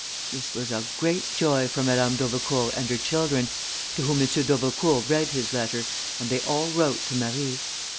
This was a great joy for Madame d'Aubecourt and her children, to whom M. d'Aubecourt read his letter, and they all wrote to Marie.